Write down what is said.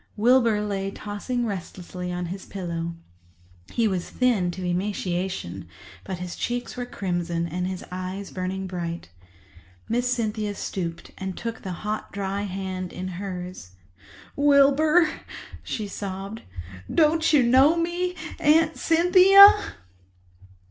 Wilbur lay tossing restlessly on his pillow. He was thin to emaciation, but his cheeks were crimson and his eyes burning bright. Miss Cynthia stooped and took the hot, dry hands in hers. "Wilbur," she sobbed, "don't you know me—Aunt Cynthia?"